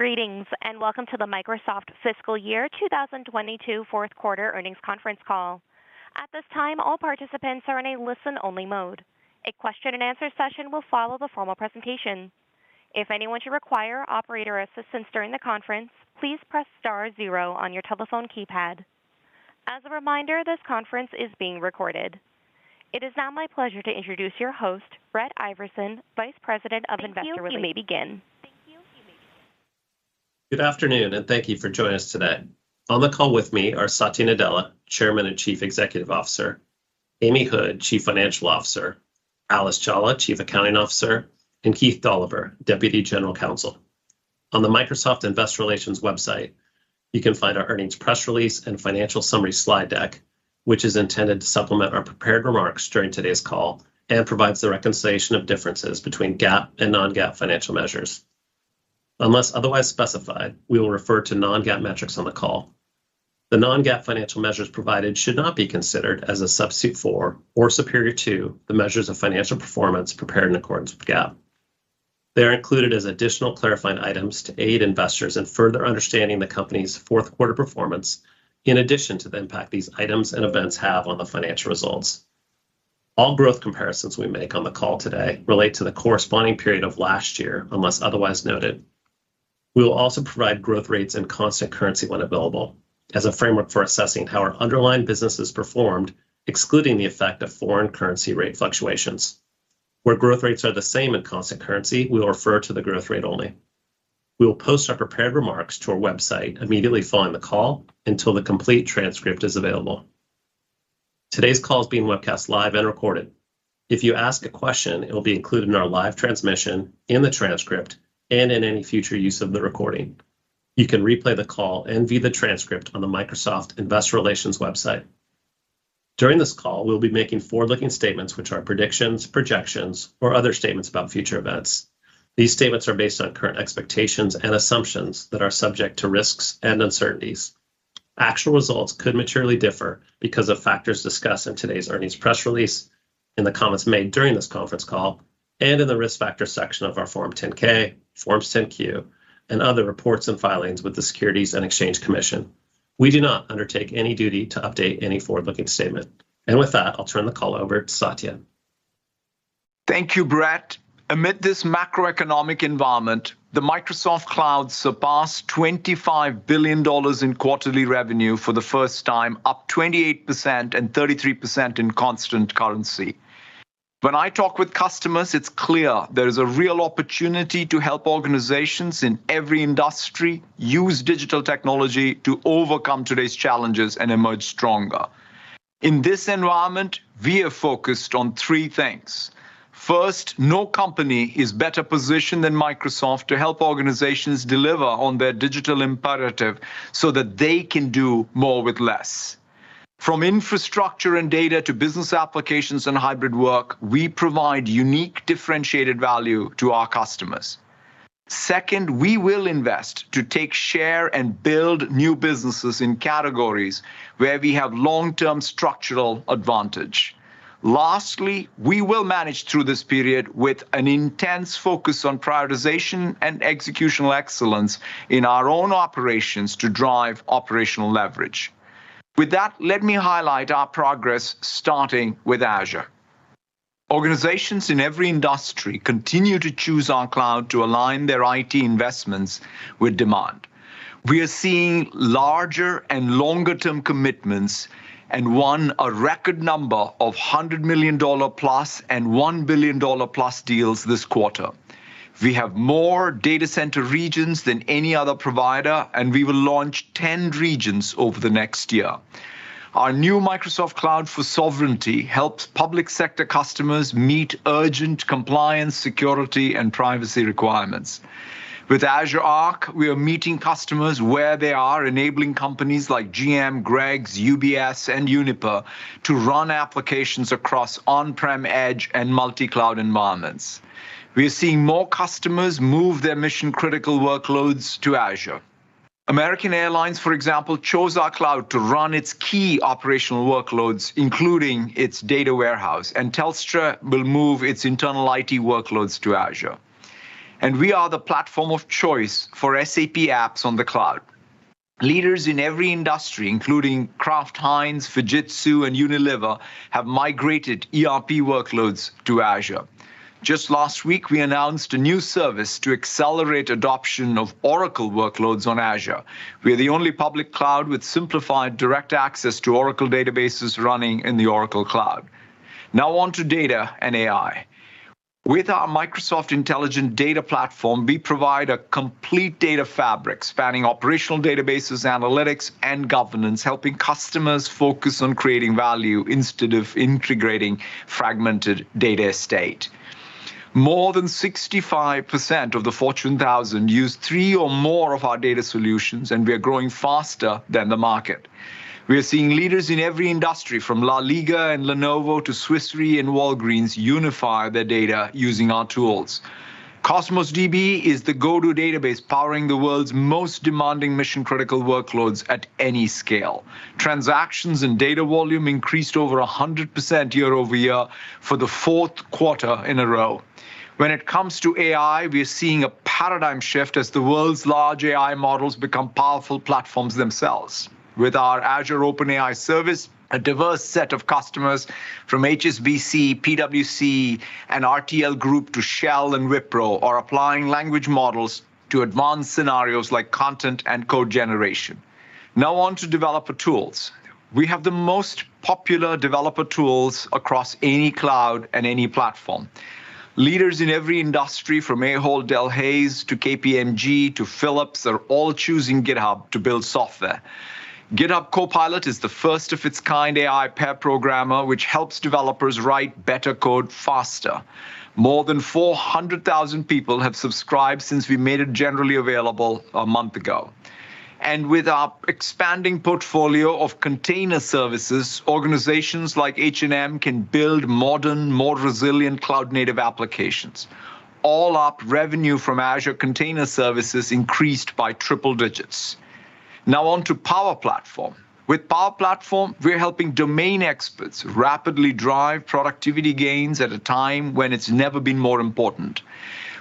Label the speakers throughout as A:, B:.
A: Greetings, and welcome to the Microsoft Fiscal Year 2022 Fourth Quarter Earnings Conference Call. At this time, all participants are in a listen-only mode. A question-and-answer session will follow the formal presentation. If anyone should require operator assistance during the conference, please press star zero on your telephone keypad. As a reminder, this conference is being recorded. It is now my pleasure to introduce your host, Brett Iversen, Vice President of Investor Relations. You may begin.
B: Good afternoon, and thank you for joining us today. On the call with me are Satya Nadella, Chairman and Chief Executive Officer, Amy Hood, Chief Financial Officer, Alice Jolla, Chief Accounting Officer, and Keith Dolliver, Deputy General Counsel. On the Microsoft Investor Relations website, you can find our earnings press release and financial summary slide deck, which is intended to supplement our prepared remarks during today's call and provides the reconciliation of differences between GAAP and non-GAAP financial measures. Unless otherwise specified, we will refer to non-GAAP metrics on the call. The non-GAAP financial measures provided should not be considered as a substitute for or superior to the measures of financial performance prepared in accordance with GAAP. They are included as additional clarifying items to aid investors in further understanding the company's fourth quarter performance in addition to the impact these items and events have on the financial results. All growth comparisons we make on the call today relate to the corresponding period of last year unless otherwise noted. We will also provide growth rates and constant currency when available as a framework for assessing how our underlying businesses performed, excluding the effect of foreign currency rate fluctuations. Where growth rates are the same in constant currency, we will refer to the growth rate only. We will post our prepared remarks to our website immediately following the call until the complete transcript is available. Today's call is being webcast live and recorded. If you ask a question, it will be included in our live transmission, in the transcript, and in any future use of the recording. You can replay the call and view the transcript on the Microsoft Investor Relations website. During this call, we'll be making forward-looking statements which are predictions, projections, or other statements about future events. These statements are based on current expectations and assumptions that are subject to risks and uncertainties. Actual results could materially differ because of factors discussed in today's earnings press release, in the comments made during this conference call, and in the Risk Factors section of our Form 10-K, Forms 10-Q, and other reports and filings with the Securities and Exchange Commission. We do not undertake any duty to update any forward-looking statement. With that, I'll turn the call over to Satya.
C: Thank you, Brett. Amid this macroeconomic environment, the Microsoft Cloud surpassed $25 billion in quarterly revenue for the first time, up 28% and 33% in constant currency. When I talk with customers, it's clear there is a real opportunity to help organizations in every industry use digital technology to overcome today's challenges and emerge stronger. In this environment, we are focused on three things. First, no company is better positioned than Microsoft to help organizations deliver on their digital imperative so that they can do more with less. From infrastructure and data to business applications and hybrid work, we provide unique, differentiated value to our customers. Second, we will invest to take share and build new businesses in categories where we have long-term structural advantage. Lastly, we will manage through this period with an intense focus on prioritization and executional excellence in our own operations to drive operational leverage. With that, let me highlight our progress, starting with Azure. Organizations in every industry continue to choose our cloud to align their IT investments with demand. We are seeing larger and longer-term commitments and won a record number of $100 million+ and $1 billion+ deals this quarter. We have more data center regions than any other provider, and we will launch 10 regions over the next year. Our new Microsoft Cloud for Sovereignty helps public sector customers meet urgent compliance, security, and privacy requirements. With Azure Arc, we are meeting customers where they are, enabling companies like GM, Greggs, UBS, and Uniper to run applications across on-prem, edge, and multi-cloud environments. We are seeing more customers move their mission-critical workloads to Azure. American Airlines, for example, chose our cloud to run its key operational workloads, including its data warehouse, and Telstra will move its internal IT workloads to Azure. We are the platform of choice for SAP apps on the cloud. Leaders in every industry, including Kraft Heinz, Fujitsu, and Unilever, have migrated ERP workloads to Azure. Just last week, we announced a new service to accelerate adoption of Oracle workloads on Azure. We are the only public cloud with simplified direct access to Oracle databases running in the Oracle Cloud. Now on to data and AI. With our Microsoft Intelligent Data Platform, we provide a complete data fabric spanning operational databases, analytics, and governance, helping customers focus on creating value instead of integrating fragmented data estate. More than 65% of the Fortune 1000 use three or more of our data solutions, and we are growing faster than the market. We are seeing leaders in every industry, from LaLiga and Lenovo to Swiss Re and Walgreens, unify their data using our tools. Cosmos DB is the go-to database powering the world's most demanding mission-critical workloads at any scale. Transactions and data volume increased over 100% year-over-year for the fourth quarter in a row. When it comes to AI, we are seeing a paradigm shift as the world's large AI models become powerful platforms themselves. With our Azure OpenAI Service, a diverse set of customers from HSBC, PwC, and RTL Group to Shell and Wipro are applying language models to advance scenarios like content and code generation. Now on to developer tools. We have the most popular developer tools across any cloud and any platform. Leaders in every industry from Ahold Delhaize to KPMG to Philips are all choosing GitHub to build software. GitHub Copilot is the first of its kind AI pair programmer which helps developers write better code faster. More than 400,000 people have subscribed since we made it generally available a month ago. With our expanding portfolio of container services, organizations like H&M can build modern, more resilient cloud-native applications. All up, revenue from Azure Container Services increased by triple digits. Now on to Power Platform. With Power Platform, we're helping domain experts rapidly drive productivity gains at a time when it's never been more important.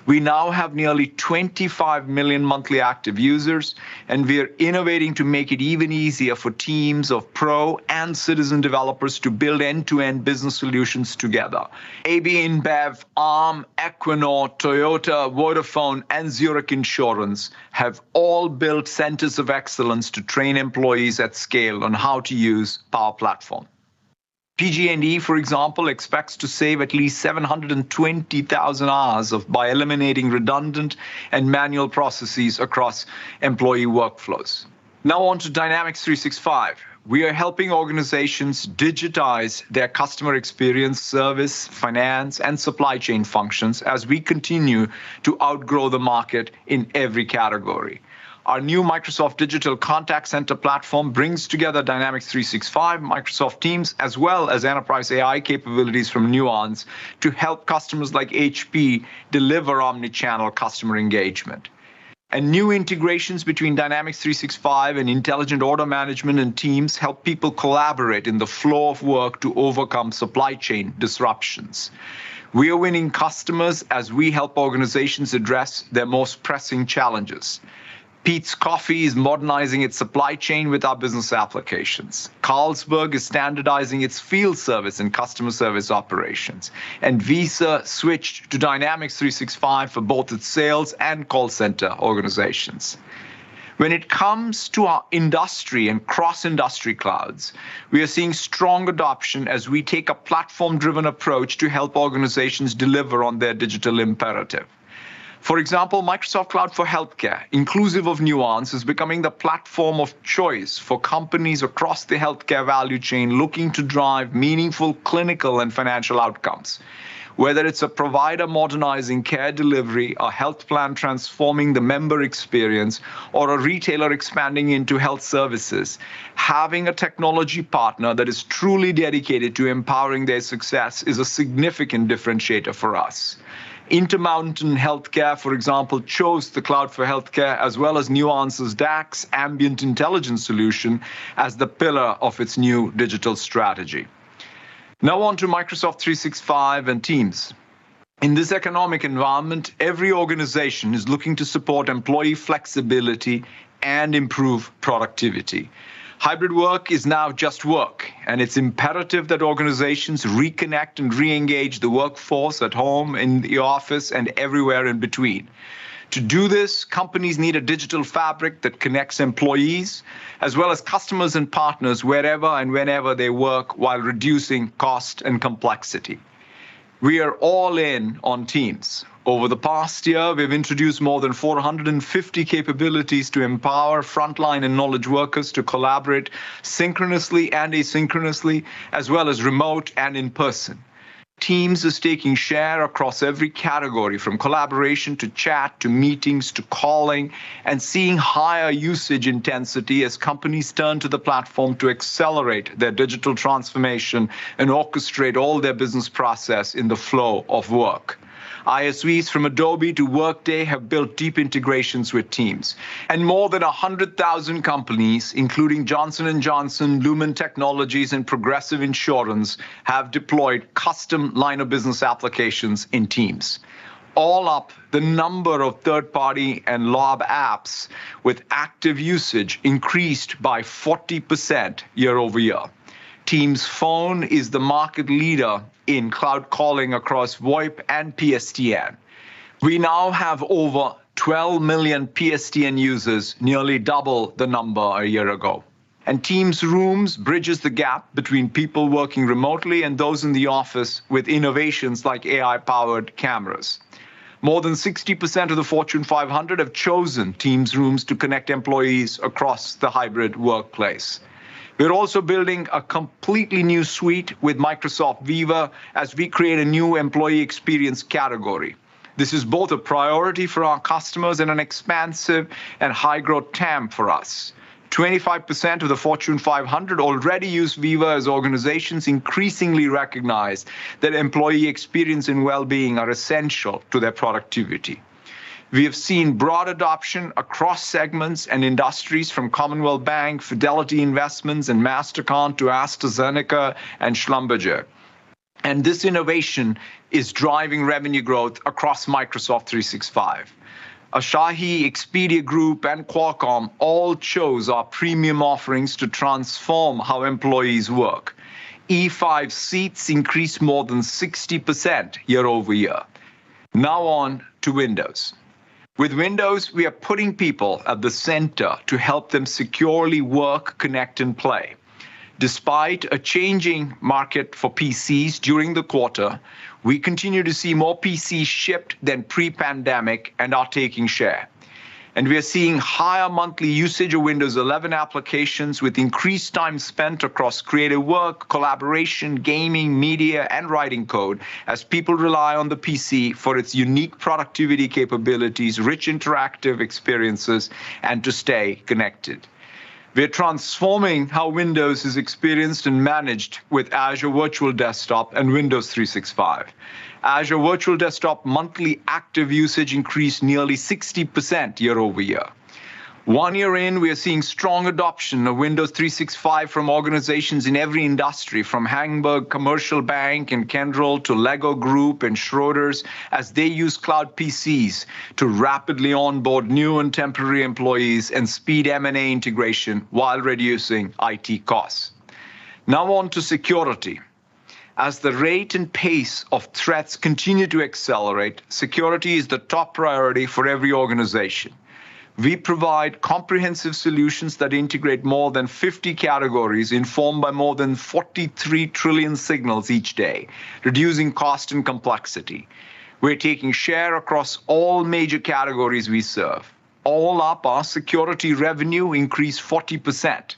C: We now have nearly 25 million monthly active users, and we are innovating to make it even easier for teams of pro and citizen developers to build end-to-end business solutions together. AB InBev, Arm, Equinor, Toyota, Vodafone, and Zurich Insurance have all built centers of excellence to train employees at scale on how to use Power Platform. PG&E, for example, expects to save at least 720,000 hours by eliminating redundant and manual processes across employee workflows. Now on to Dynamics 365. We are helping organizations digitize their customer experience, service, finance, and supply chain functions as we continue to outgrow the market in every category. Our new Microsoft Digital Contact Center Platform brings together Dynamics 365, Microsoft Teams, as well as enterprise AI capabilities from Nuance to help customers like HP deliver omni-channel customer engagement. New integrations between Dynamics 365 and Intelligent Order Management and Teams help people collaborate in the flow of work to overcome supply chain disruptions. We are winning customers as we help organizations address their most pressing challenges. Peet's Coffee is modernizing its supply chain with our business applications. Carlsberg is standardizing its field service and customer service operations. Visa switched to Dynamics 365 for both its sales and call center organizations. When it comes to our industry and cross-industry clouds, we are seeing strong adoption as we take a platform-driven approach to help organizations deliver on their digital imperative. For example, Microsoft Cloud for Healthcare, inclusive of Nuance, is becoming the platform of choice for companies across the healthcare value chain looking to drive meaningful clinical and financial outcomes. Whether it's a provider modernizing care delivery, a health plan transforming the member experience, or a retailer expanding into health services, having a technology partner that is truly dedicated to empowering their success is a significant differentiator for us. Intermountain Healthcare, for example, chose the Cloud for Healthcare, as well as Nuance's DAX ambient intelligence solution, as the pillar of its new digital strategy. Now on to Microsoft 365 and Teams. In this economic environment, every organization is looking to support employee flexibility and improve productivity. Hybrid work is now just work, and it's imperative that organizations reconnect and re-engage the workforce at home, in the office, and everywhere in between. To do this, companies need a digital fabric that connects employees as well as customers and partners wherever and whenever they work while reducing cost and complexity. We are all in on Teams. Over the past year, we've introduced more than 450 capabilities to empower frontline and knowledge workers to collaborate synchronously and asynchronously, as well as remote and in person. Teams is taking share across every category, from collaboration to chat, to meetings, to calling, and seeing higher usage intensity as companies turn to the platform to accelerate their digital transformation and orchestrate all their business process in the flow of work. ISVs from Adobe to Workday have built deep integrations with Teams. More than 100,000 companies, including Johnson & Johnson, Lumen Technologies, and Progressive Insurance, have deployed custom line of business applications in Teams. All up, the number of third-party and lab apps with active usage increased by 40% year-over-year. Teams Phone is the market leader in cloud calling across VoIP and PSTN. We now have over 12 million PSTN users, nearly double the number a year ago. Teams Rooms bridges the gap between people working remotely and those in the office with innovations like AI-powered cameras. More than 60% of the Fortune 500 have chosen Teams Rooms to connect employees across the hybrid workplace. We are also building a completely new suite with Microsoft Viva as we create a new employee experience category. This is both a priority for our customers and an expansive and high-growth TAM for us. 25% of the Fortune 500 already use Viva as organizations increasingly recognize that employee experience and well-being are essential to their productivity. We have seen broad adoption across segments and industries from Commonwealth Bank, Fidelity Investments, and Mastercard to AstraZeneca and Schlumberger. This innovation is driving revenue growth across Microsoft 365. Asahi, Expedia Group, and Qualcomm all chose our premium offerings to transform how employees work. E5 seats increased more than 60% year-over-year. Now on to Windows. With Windows, we are putting people at the center to help them securely work, connect, and play. Despite a changing market for PCs during the quarter, we continue to see more PCs shipped than pre-pandemic and are taking share. We are seeing higher monthly usage of Windows 11 applications with increased time spent across creative work, collaboration, gaming, media, and writing code as people rely on the PC for its unique productivity capabilities, rich interactive experiences, and to stay connected. We're transforming how Windows is experienced and managed with Azure Virtual Desktop and Windows 365. Azure Virtual Desktop monthly active usage increased nearly 60% year-over-year. One year in, we are seeing strong adoption of Windows 365 from organizations in every industry, from Hamburg Commercial Bank and Kyndryl to Lego Group and Schroders, as they use cloud PCs to rapidly onboard new and temporary employees and speed M&A integration while reducing IT costs. Now on to security. As the rate and pace of threats continue to accelerate, security is the top priority for every organization. We provide comprehensive solutions that integrate more than 50 categories informed by more than 43 trillion signals each day, reducing cost and complexity. We're taking share across all major categories we serve. All up, our security revenue increased 40%.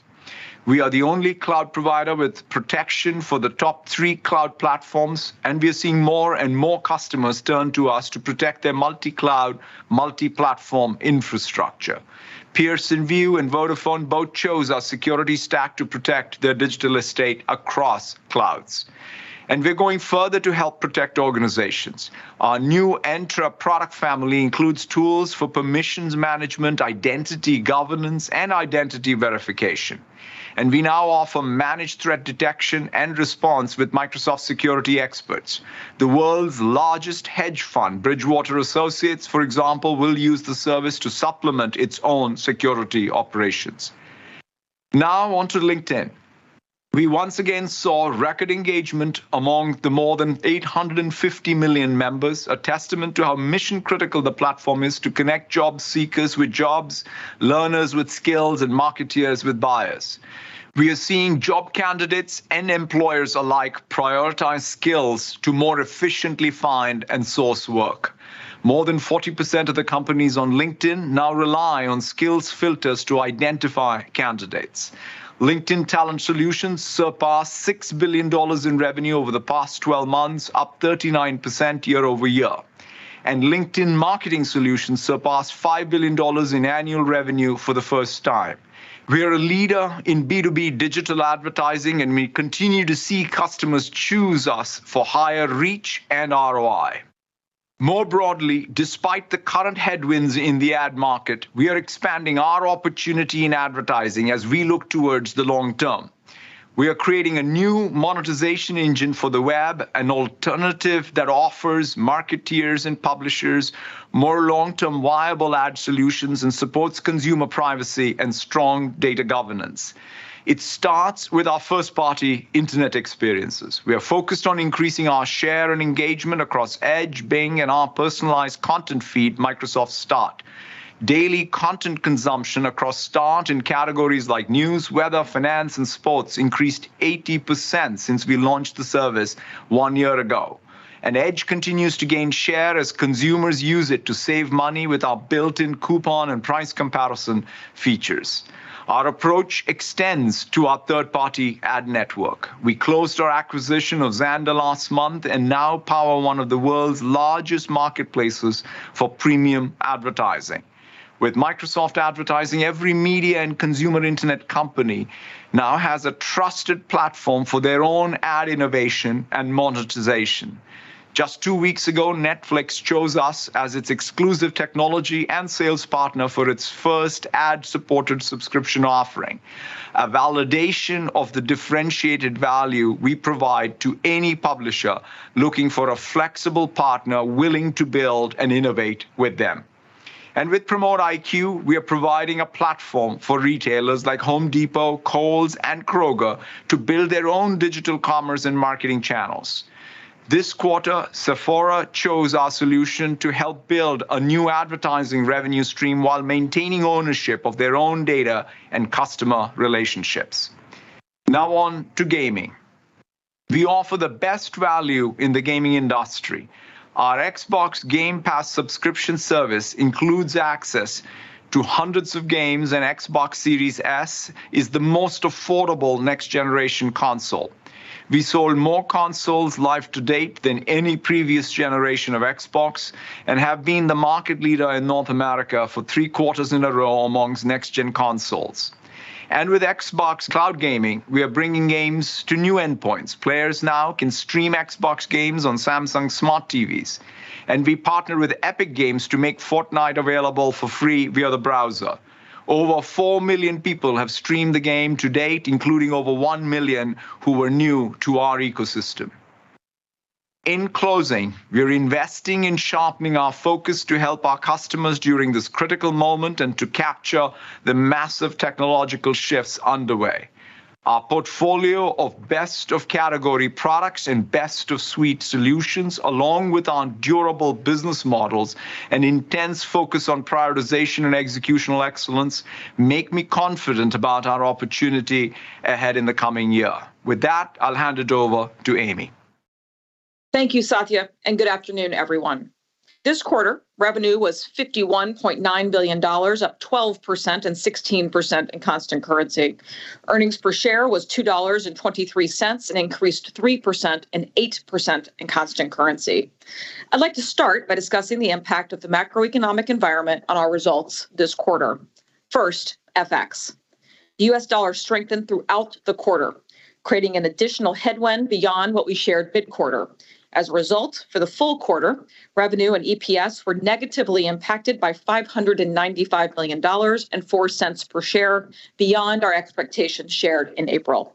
C: We are the only cloud provider with protection for the top three cloud platforms, and we are seeing more and more customers turn to us to protect their multi-cloud, multi-platform infrastructure. Pearson VUE and Vodafone both chose our security stack to protect their digital estate across clouds. We're going further to help protect organizations. Our new Entra product family includes tools for permissions management, identity governance, and identity verification. We now offer managed threat detection and response with Microsoft Security Experts. The world's largest hedge fund, Bridgewater Associates, for example, will use the service to supplement its own security operations. Now on to LinkedIn. We once again saw record engagement among the more than 850 million members, a testament to how mission-critical the platform is to connect job seekers with jobs, learners with skills, and marketeers with buyers. We are seeing job candidates and employers alike prioritize skills to more efficiently find and source work. More than 40% of the companies on LinkedIn now rely on skills filters to identify candidates. LinkedIn Talent Solutions surpassed $6 billion in revenue over the past 12 months, up 39% year-over-year. LinkedIn Marketing Solutions surpassed $5 billion in annual revenue for the first time. We are a leader in B2B digital advertising, and we continue to see customers choose us for higher reach and ROI. More broadly, despite the current headwinds in the ad market, we are expanding our opportunity in advertising as we look towards the long-term. We are creating a new monetization engine for the web, an alternative that offers marketeers and publishers more long-term viable ad solutions and supports consumer privacy and strong data governance. It starts with our first-party internet experiences. We are focused on increasing our share and engagement across Edge, Bing, and our personalized content feed, Microsoft Start. Daily content consumption across Start in categories like news, weather, finance, and sports increased 80% since we launched the service one year ago. Edge continues to gain share as consumers use it to save money with our built-in coupon and price comparison features. Our approach extends to our third-party ad network. We closed our acquisition of Xandr last month and now power one of the world's largest marketplaces for premium advertising. With Microsoft Advertising, every media and consumer internet company now has a trusted platform for their own ad innovation and monetization. Just two weeks ago, Netflix chose us as its exclusive technology and sales partner for its first ad-supported subscription offering, a validation of the differentiated value we provide to any publisher looking for a flexible partner willing to build and innovate with them. With PromoteIQ, we are providing a platform for retailers like Home Depot, Kohl's, and Kroger to build their own digital commerce and marketing channels. This quarter, Sephora chose our solution to help build a new advertising revenue stream while maintaining ownership of their own data and customer relationships. Now on to gaming. We offer the best value in the gaming industry. Our Xbox Game Pass subscription service includes access to hundreds of games, and Xbox Series S is the most affordable next-generation console. We sold more consoles year-to-date than any previous generation of Xbox and have been the market leader in North America for three quarters in a row among next-gen consoles. With Xbox Cloud Gaming, we are bringing games to new endpoints. Players now can stream Xbox games on Samsung Smart TVs, and we partner with Epic Games to make Fortnite available for free via the browser. Over 4 million people have streamed the game to date, including over 1 million who were new to our ecosystem. In closing, we are investing in sharpening our focus to help our customers during this critical moment and to capture the massive technological shifts underway. Our portfolio of best-of-category products and best-of-suite solutions, along with our durable business models and intense focus on prioritization and executional excellence, make me confident about our opportunity ahead in the coming year. With that, I'll hand it over to Amy.
D: Thank you, Satya, and good afternoon, everyone. This quarter, revenue was $51.9 billion, up 12% and 16% in constant currency. Earnings per share was $2.23, and increased 3% and 8% in constant currency. I'd like to start by discussing the impact of the macroeconomic environment on our results this quarter. First, FX. The U.S. dollar strengthened throughout the quarter, creating an additional headwind beyond what we shared mid-quarter. As a result, for the full quarter, revenue and EPS were negatively impacted by $595 million and $0.04 per share beyond our expectations shared in April.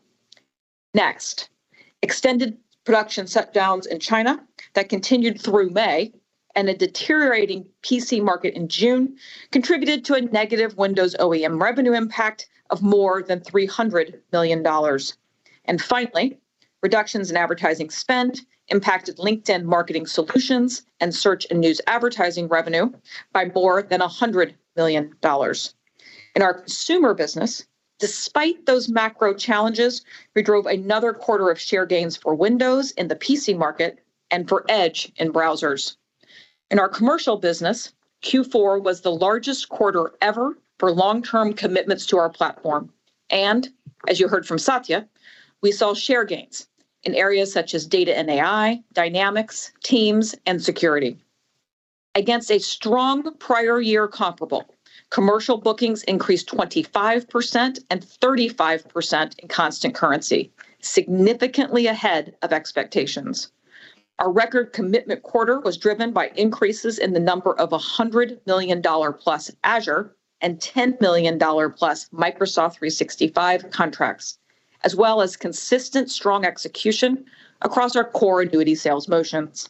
D: Next, extended production shutdowns in China that continued through May and a deteriorating PC market in June contributed to a negative Windows OEM revenue impact of more than $300 million. Finally, reductions in advertising spend impacted LinkedIn Marketing Solutions and Search and news advertising revenue by more than $100 million. In our consumer business, despite those macro challenges, we drove another quarter of share gains for Windows in the PC market and for Edge in browsers. In our commercial business, Q4 was the largest quarter ever for long-term commitments to our platform. As you heard from Satya, we saw share gains in areas such as data and AI, Dynamics, Teams, and Security. Against a strong prior year comparable, commercial bookings increased 25% and 35% in constant currency, significantly ahead of expectations. Our record commitment quarter was driven by increases in the number of $100 million+ Azure and $10 million+ Microsoft 365 contracts, as well as consistent strong execution across our core annuity sales motions.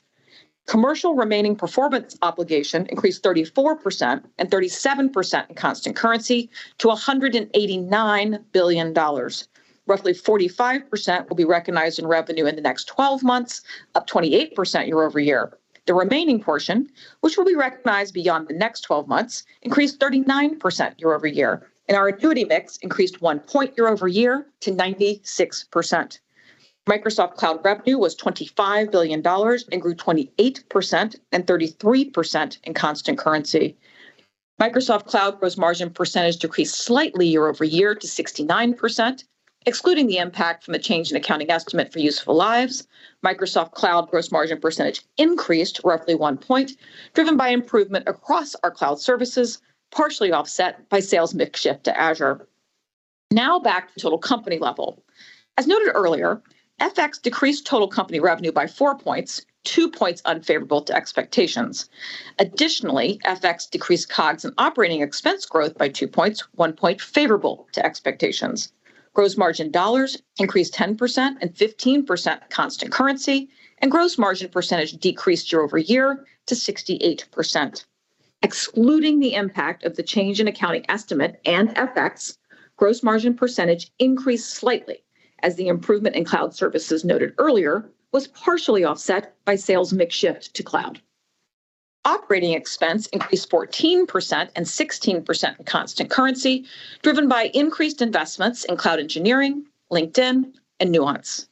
D: Commercial remaining performance obligation increased 34% and 37% in constant currency to $189 billion. Roughly 45% will be recognized in revenue in the next 12 months, up 28% year-over-year. The remaining portion, which will be recognized beyond the next 12 months, increased 39% year-over-year, and our annuity mix increased 1 point year-over-year to 96%. Microsoft Cloud revenue was $25 billion and grew 28% and 33% in constant currency. Microsoft Cloud gross margin percentage decreased slightly year-over-year to 69%. Excluding the impact from a change in accounting estimate for useful lives, Microsoft Cloud gross margin percentage increased roughly 1 point, driven by improvement across our cloud services, partially offset by sales mix shift to Azure. Now back to total company level. As noted earlier, FX decreased total company revenue by 4 points, 2 points unfavorable to expectations. Additionally, FX decreased COGS and operating expense growth by 2 points, 1 point favorable to expectations. Gross margin dollars increased 10% and 15% constant currency, and gross margin percentage decreased year-over-year to 68%. Excluding the impact of the change in accounting estimate and FX, gross margin percentage increased slightly as the improvement in cloud services noted earlier was partially offset by sales mix shift to cloud. Operating expense increased 14% and 16% in constant currency, driven by increased investments in cloud engineering, LinkedIn, and Nuance.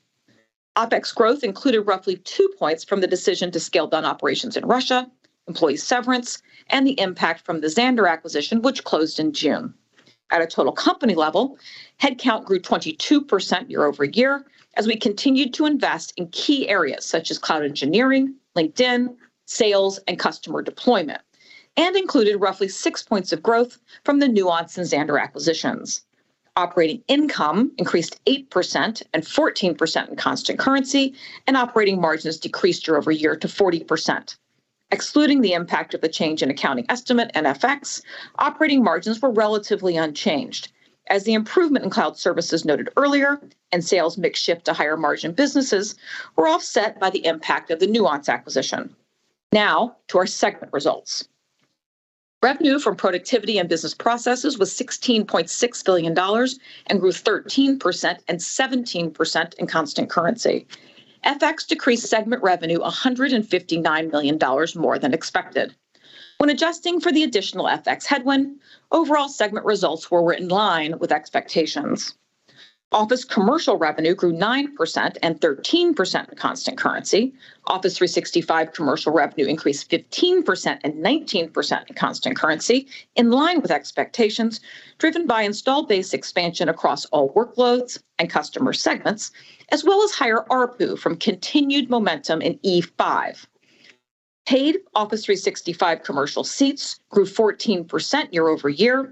D: OpEx growth included roughly 2 points from the decision to scale down operations in Russia, employee severance, and the impact from the Xandr acquisition, which closed in June. At a total company level, head count grew 22% year-over-year as we continued to invest in key areas such as cloud engineering, LinkedIn, sales, and customer deployment, and included roughly 6 points of growth from the Nuance and Xandr acquisitions. Operating income increased 8% and 14% in constant currency, and operating margins decreased year-over-year to 40%. Excluding the impact of the change in accounting estimate and FX, operating margins were relatively unchanged as the improvement in cloud services noted earlier and sales mix shift to higher margin businesses were offset by the impact of the Nuance acquisition. Now to our segment results. Revenue from productivity and business processes was $16.6 billion and grew 13% and 17% in constant currency. FX decreased segment revenue $159 million more than expected. When adjusting for the additional FX headwind, overall segment results were in line with expectations. Office Commercial revenue grew 9% and 13% in constant currency. Office 365 commercial revenue increased 15% and 19% in constant currency in line with expectations, driven by installed base expansion across all workloads and customer segments, as well as higher ARPU from continued momentum in E5. Paid Office 365 commercial seats grew 14% year-over-year,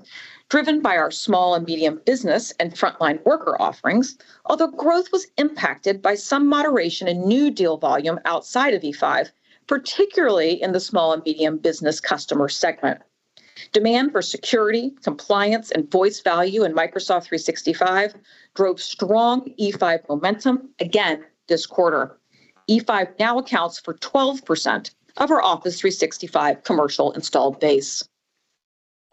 D: driven by our small and medium business and frontline worker offerings. Although growth was impacted by some moderation in new deal volume outside of E5, particularly in the small and medium business customer segment. Demand for security, compliance, and voice value in Microsoft 365 drove strong E5 momentum again this quarter. E5 now accounts for 12% of our Office 365 commercial installed base.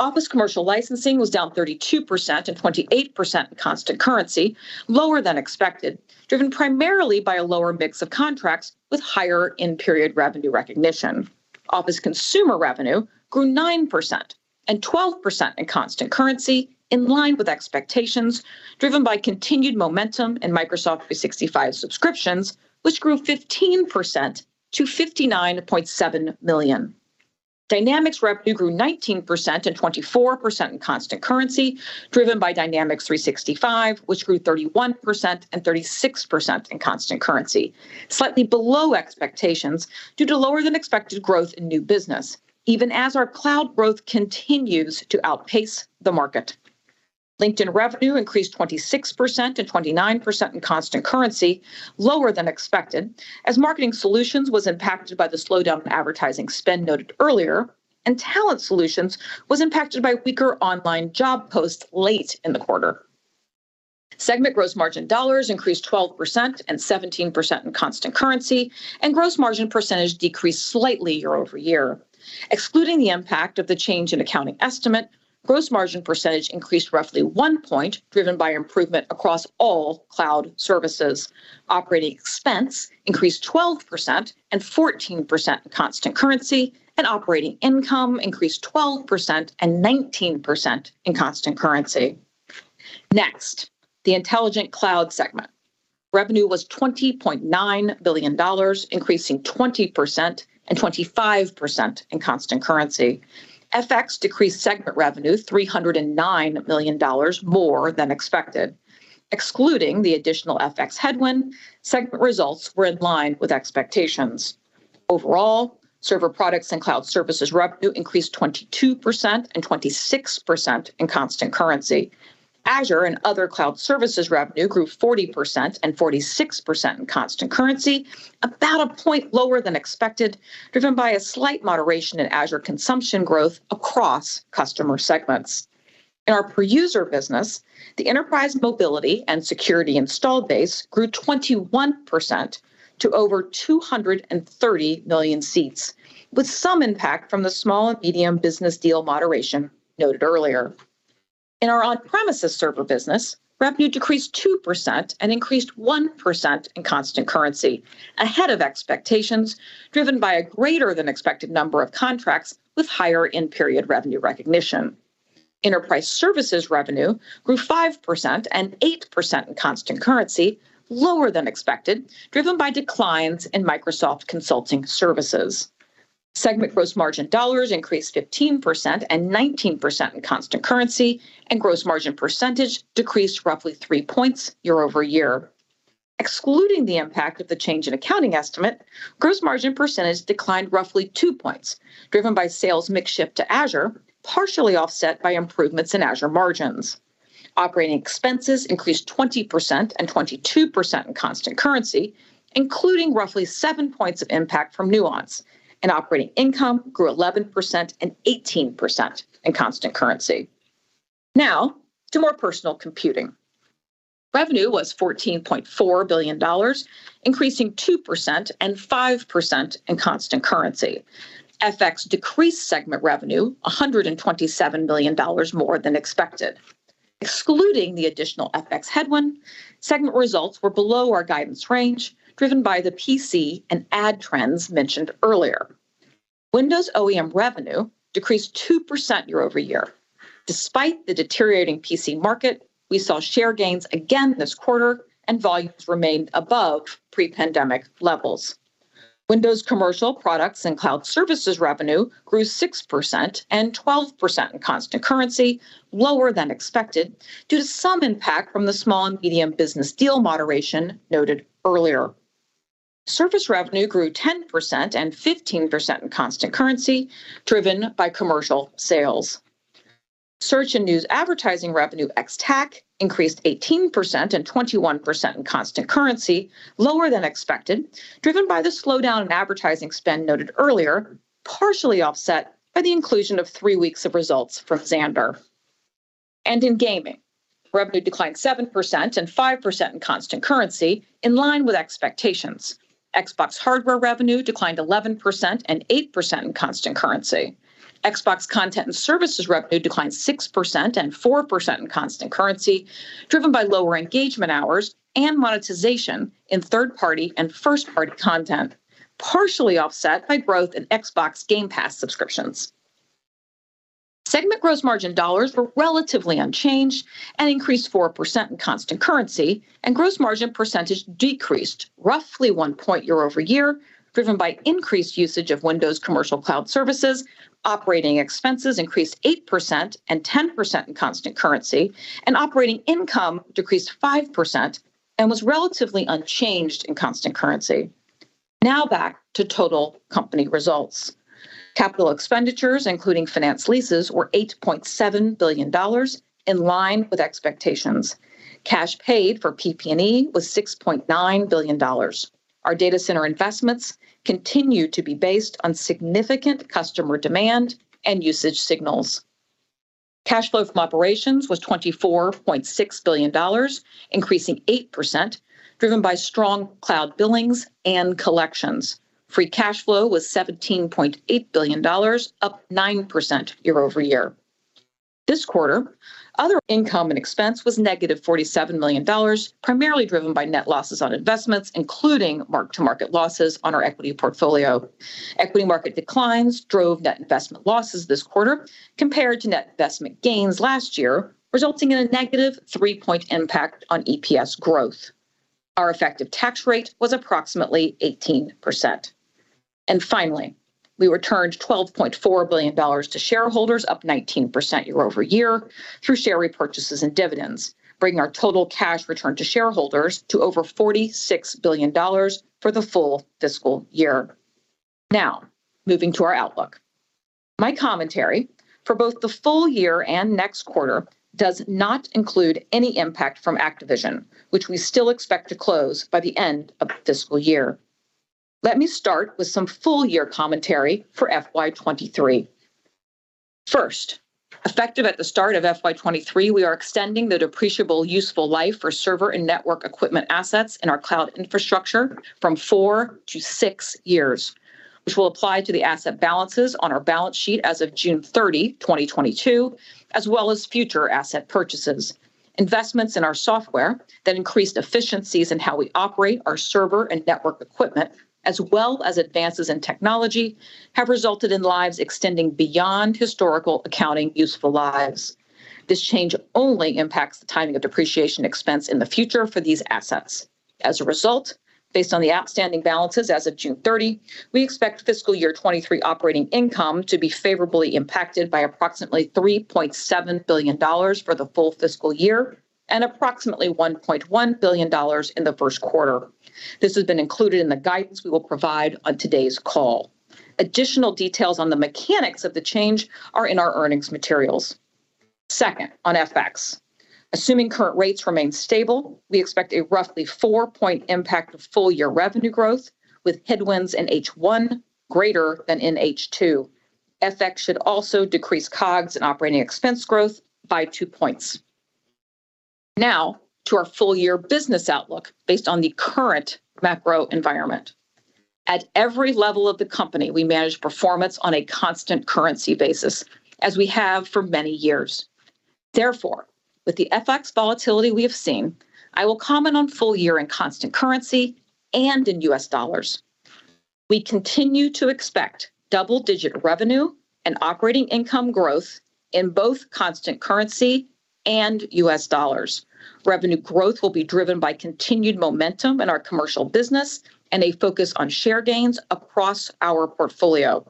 D: Office Commercial licensing was down 32% and 28% in constant currency, lower than expected, driven primarily by a lower mix of contracts with higher in-period revenue recognition. Office consumer revenue grew 9% and 12% in constant currency in line with expectations, driven by continued momentum in Microsoft 365 subscriptions, which grew 15% to 59.7 million. Dynamics revenue grew 19% and 24% in constant currency, driven by Dynamics 365, which grew 31% and 36% in constant currency, slightly below expectations due to lower than expected growth in new business, even as our cloud growth continues to outpace the market. LinkedIn revenue increased 26% and 29% in constant currency, lower than expected, as Marketing Solutions was impacted by the slowdown in advertising spend noted earlier, and Talent Solutions was impacted by weaker online job posts late in the quarter. Segment gross margin dollars increased 12% and 17% in constant currency, and gross margin percentage decreased slightly year-over-year. Excluding the impact of the change in accounting estimate, gross margin percentage increased roughly 1 point, driven by improvement across all cloud services. Operating expense increased 12% and 14% in constant currency, and operating income increased 12% and 19% in constant currency. Next, the Intelligent Cloud segment. Revenue was $20.9 billion, increasing 20% and 25% in constant currency. FX decreased segment revenue $309 million more than expected. Excluding the additional FX headwind, segment results were in line with expectations. Overall, server products and cloud services revenue increased 22% and 26% in constant currency. Azure and other cloud services revenue grew 40% and 46% in constant currency, about a point lower than expected, driven by a slight moderation in Azure consumption growth across customer segments. In our per-user business, the enterprise mobility and security installed base grew 21% to over 230 million seats, with some impact from the small and medium business deal moderation noted earlier. In our on-premises server business, revenue decreased 2% and increased 1% in constant currency, ahead of expectations, driven by a greater than expected number of contracts with higher in-period revenue recognition. Enterprise Services revenue grew 5% and 8% in constant currency, lower than expected, driven by declines in Microsoft Consulting Services. Segment gross margin dollars increased 15% and 19% in constant currency, and gross margin percentage decreased roughly 3 points year-over-year. Excluding the impact of the change in accounting estimate, gross margin percentage declined roughly 2 points, driven by sales mix shift to Azure, partially offset by improvements in Azure margins. Operating expenses increased 20% and 22% in constant currency, including roughly 7 points of impact from Nuance. Operating income grew 11% and 18% in constant currency. Now to More Personal Computing. Revenue was $14.4 billion, increasing 2% and 5% in constant currency. FX decreased segment revenue $127 million more than expected. Excluding the additional FX headwind, segment results were below our guidance range, driven by the PC and ad trends mentioned earlier. Windows OEM revenue decreased 2% year-over-year. Despite the deteriorating PC market, we saw share gains again this quarter and volumes remained above pre-pandemic levels. Windows commercial products and cloud services revenue grew 6% and 12% in constant currency, lower than expected, due to some impact from the small and medium business deal moderation noted earlier. Surface revenue grew 10% and 15% in constant currency, driven by commercial sales. Search and news advertising revenue ex-TAC increased 18% and 21% in constant currency, lower than expected, driven by the slowdown in advertising spend noted earlier, partially offset by the inclusion of three weeks of results from Xandr. In Gaming, revenue declined 7% and 5% in constant currency in line with expectations. Xbox hardware revenue declined 11% and 8% in constant currency. Xbox content and services revenue declined 6% and 4% in constant currency, driven by lower engagement hours and monetization in third-party and first-party content, partially offset by growth in Xbox Game Pass subscriptions. Segment gross margin dollars were relatively unchanged and increased 4% in constant currency, and gross margin percentage decreased roughly 1 point year-over-year, driven by increased usage of Windows Commercial cloud services. Operating expenses increased 8% and 10% in constant currency, and operating income decreased 5% and was relatively unchanged in constant currency. Now back to total company results. Capital expenditures, including finance leases, were $8.7 billion, in line with expectations. Cash paid for PP&E was $6.9 billion. Our data center investments continue to be based on significant customer demand and usage signals. Cash flow from operations was $24.6 billion, increasing 8%, driven by strong cloud billings and collections. Free cash flow was $17.8 billion, up 9% year-over-year. This quarter, other income and expense was -$47 million, primarily driven by net losses on investments, including mark-to-market losses on our equity portfolio. Equity market declines drove net investment losses this quarter compared to net investment gains last year, resulting in a negative 3-point impact on EPS growth. Our effective tax rate was approximately 18%. Finally, we returned $12.4 billion to shareholders, up 19% year-over-year through share repurchases and dividends, bringing our total cash returned to shareholders to over $46 billion for the full fiscal year. Now, moving to our outlook. My commentary for both the full year and next quarter does not include any impact from Activision, which we still expect to close by the end of the fiscal year. Let me start with some full year commentary for FY 2023. First, effective at the start of FY 2023, we are extending the depreciable useful life for server and network equipment assets in our cloud infrastructure from four to six years, which will apply to the asset balances on our balance sheet as of June 30, 2022, as well as future asset purchases. Investments in our software that increased efficiencies in how we operate our server and network equipment, as well as advances in technology, have resulted in lives extending beyond historical accounting useful lives. This change only impacts the timing of depreciation expense in the future for these assets. As a result, based on the outstanding balances as of June 30, we expect fiscal year 2023 operating income to be favorably impacted by approximately $3.7 billion for the full fiscal year and approximately $1.1 billion in the first quarter. This has been included in the guidance we will provide on today's call. Additional details on the mechanics of the change are in our earnings materials. Second, on FX. Assuming current rates remain stable, we expect a roughly 4-point impact on full-year revenue growth, with headwinds in H1 greater than in H2. FX should also decrease COGS and operating expense growth by 2 points. Now to our full-year business outlook based on the current macro environment. At every level of the company, we manage performance on a constant currency basis, as we have for many years. Therefore, with the FX volatility we have seen, I will comment on full year in constant currency and in U.S. dollars. We continue to expect double-digit revenue and operating income growth in both constant currency and U.S. dollars. Revenue growth will be driven by continued momentum in our commercial business and a focus on share gains across our portfolio.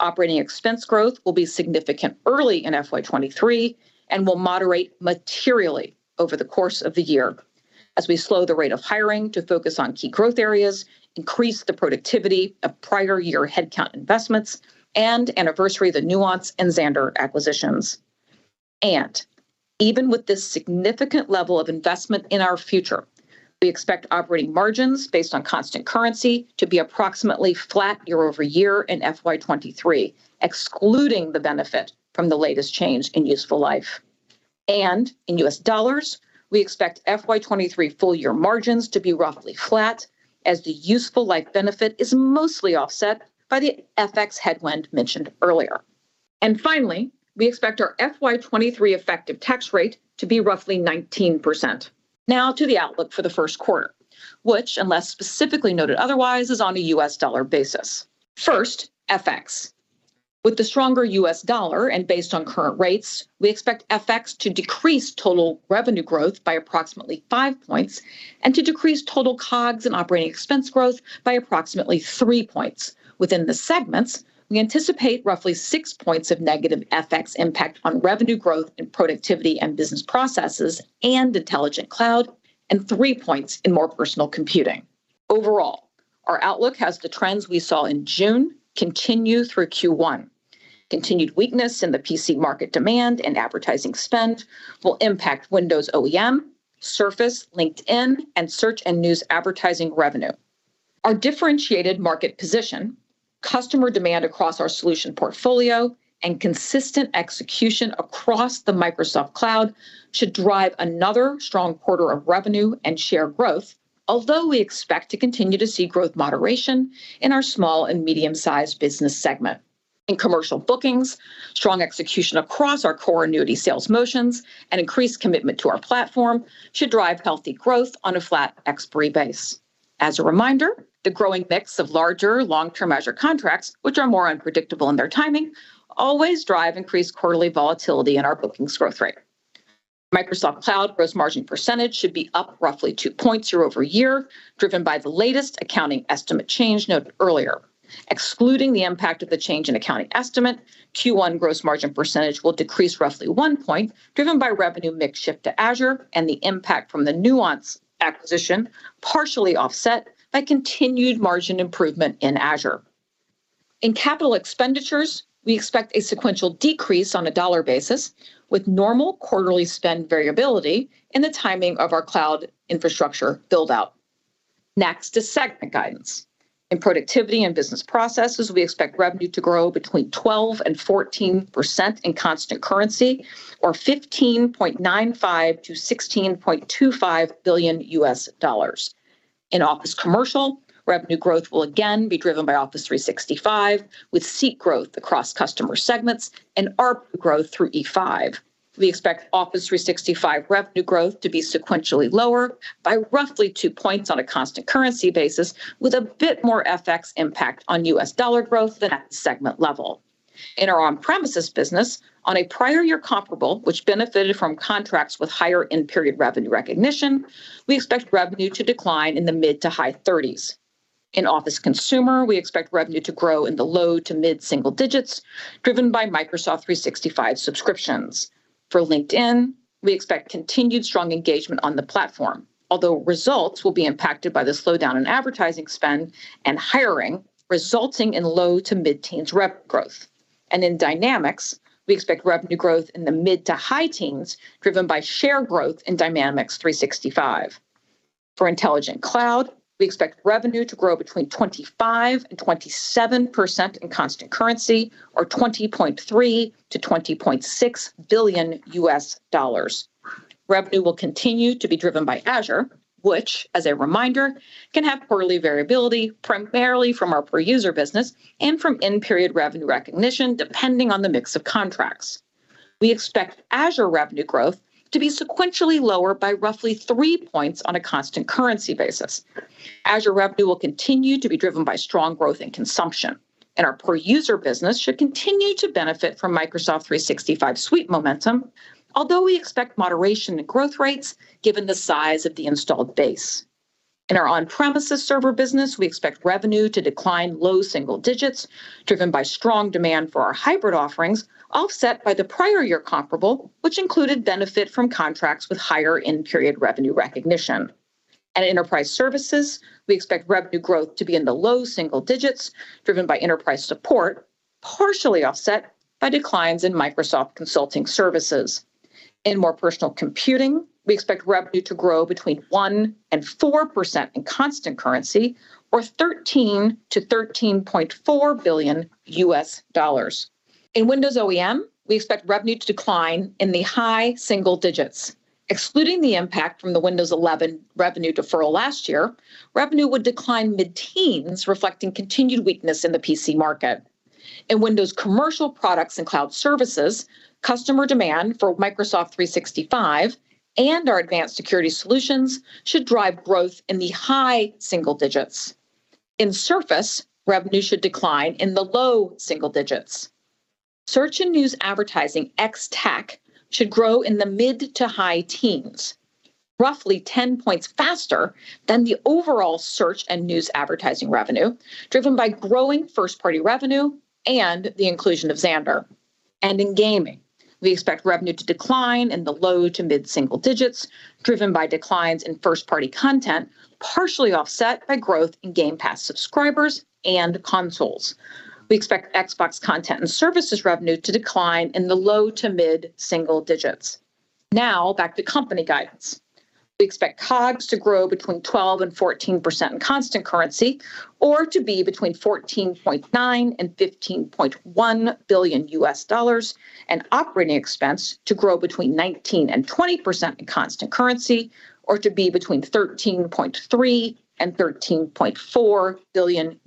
D: Operating expense growth will be significant early in FY 2023 and will moderate materially over the course of the year as we slow the rate of hiring to focus on key growth areas, increase the productivity of prior year headcount investments and anniversary the Nuance and Xandr acquisitions. Even with this significant level of investment in our future, we expect operating margins based on constant currency to be approximately flat year-over-year in FY 2023, excluding the benefit from the latest change in useful life. In U.S. dollars, we expect FY 2023 full year margins to be roughly flat as the useful life benefit is mostly offset by the FX headwind mentioned earlier. Finally, we expect our FY 2023 effective tax rate to be roughly 19%. Now to the outlook for the first quarter, which, unless specifically noted otherwise, is on a U.S. dollar basis. First, FX. With the stronger U.S. dollar and based on current rates, we expect FX to decrease total revenue growth by approximately 5 points and to decrease total COGS and operating expense growth by approximately 3 points. Within the segments, we anticipate roughly 6 points of negative FX impact on revenue growth in Productivity and Business Processes and Intelligent Cloud and 3 points in More Personal Computing. Overall, our outlook has the trends we saw in June continue through Q1. Continued weakness in the PC market demand and advertising spend will impact Windows OEM, Surface, LinkedIn, and Search and news advertising revenue. Our differentiated market position, customer demand across our solution portfolio, and consistent execution across the Microsoft Cloud should drive another strong quarter of revenue and share growth, although we expect to continue to see growth moderation in our small and medium-sized business segment. In commercial bookings, strong execution across our core annuity sales motions and increased commitment to our platform should drive healthy growth on a flat expiry base. As a reminder, the growing mix of larger long-term Azure contracts, which are more unpredictable in their timing, always drive increased quarterly volatility in our bookings growth rate. Microsoft Cloud gross margin percentage should be up roughly 2 points year-over-year, driven by the latest accounting estimate change noted earlier. Excluding the impact of the change in accounting estimate, Q1 gross margin percentage will decrease roughly 1 point, driven by revenue mix shift to Azure and the impact from the Nuance acquisition, partially offset by continued margin improvement in Azure. In CapEx, we expect a sequential decrease on a dollar basis with normal quarterly spend variability in the timing of our cloud infrastructure build-out. Next is segment guidance. In Productivity and Business Processes, we expect revenue to grow between 12% and 14% in constant currency or $15.95 billion-$16.25 billion. In Office Commercial, revenue growth will again be driven by Office 365, with seat growth across customer segments and ARPU growth through E5. We expect Office 365 revenue growth to be sequentially lower by roughly 2 points on a constant currency basis, with a bit more FX impact on U.S. dollar growth than at the segment-level. In our on-premises business on a prior-year comparable, which benefited from contracts with higher end-period revenue recognition, we expect revenue to decline in the mid-to-high 30s. In Office Consumer, we expect revenue to grow in the low-to-mid single-digits driven by Microsoft 365 subscriptions. For LinkedIn, we expect continued strong engagement on the platform, although results will be impacted by the slowdown in advertising spend and hiring, resulting in low- to mid-teens rev growth. In Dynamics, we expect revenue growth in the mid- to high-teens driven by share growth in Dynamics 365. For Intelligent Cloud, we expect revenue to grow between 25% and 27% in constant currency or $20.3 billion-$20.6 billion. Revenue will continue to be driven by Azure, which, as a reminder, can have quarterly variability primarily from our per-user business and from end-period revenue recognition, depending on the mix of contracts. We expect Azure revenue growth to be sequentially lower by roughly 3 points on a constant currency basis. Azure revenue will continue to be driven by strong growth in consumption, and our per-user business should continue to benefit from Microsoft 365 suite momentum. Although we expect moderation in growth rates given the size of the installed base. In our on-premises server business, we expect revenue to decline low single-digits, driven by strong demand for our hybrid offerings, offset by the prior year comparable, which included benefit from contracts with higher end-period revenue recognition. At Enterprise Services, we expect revenue growth to be in the low single-digits driven by Enterprise Support, partially offset by declines in Microsoft Consulting Services. In More Personal Computing, we expect revenue to grow between 1% and 4% in constant currency or $13 billion-$13.4 billion. In Windows OEM, we expect revenue to decline in the high single-digits. Excluding the impact from the Windows 11 revenue deferral last year, revenue would decline mid-teens, reflecting continued weakness in the PC market. In Windows Commercial Products and Cloud Services, customer demand for Microsoft 365 and our advanced security solutions should drive growth in the high single-digits. In Surface, revenue should decline in the low single-digits. Search and news advertising ex-TAC should grow in the mid-to-high teens, roughly 10 points faster than the overall Search and news advertising revenue, driven by growing first-party revenue and the inclusion of Xandr. In Gaming, we expect revenue to decline in the low-to-mid single-digits driven by declines in first-party content, partially offset by growth in Game Pass subscribers and consoles. We expect Xbox content and services revenue to decline in the low-to-mid single-digits. Now back to company guidance. We expect COGS to grow between 12% and 14% in constant currency or to be between $14.9 billion and $15.1 billion and operating expense to grow between 19% and 20% in constant currency or to be between $13.3 billion and $13.4 billion.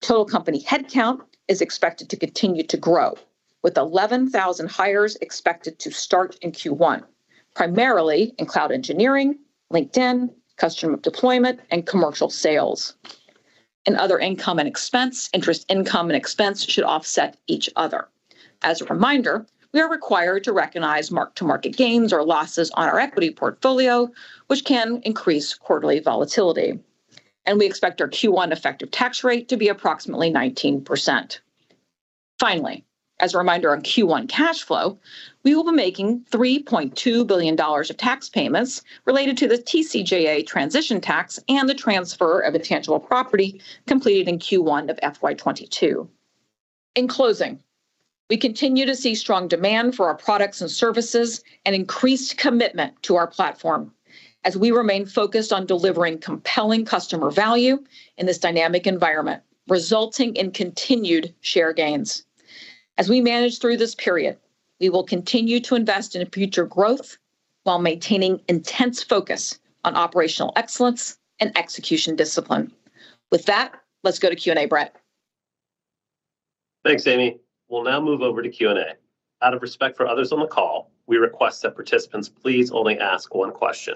D: Total company headcount is expected to continue to grow, with 11,000 hires expected to start in Q1, primarily in cloud engineering, LinkedIn, customer deployment, and commercial sales. In other income and expense, interest income and expense should offset each other. As a reminder, we are required to recognize mark-to-market gains or losses on our equity portfolio, which can increase quarterly volatility. We expect our Q1 effective tax rate to be approximately 19%. Finally, as a reminder on Q1 cash flow, we will be making $3.2 billion of tax payments related to the TCJA transition tax and the transfer of intangible property completed in Q1 of FY 2022. In closing, we continue to see strong demand for our products and services and increased commitment to our platform as we remain focused on delivering compelling customer value in this dynamic environment, resulting in continued share gains. As we manage through this period, we will continue to invest in future growth while maintaining intense focus on operational excellence and execution discipline. With that, let's go to Q&A. Brett.
B: Thanks, Amy. We'll now move over to Q&A. Out of respect for others on the call, we request that participants please only ask one question.